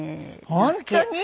本当に？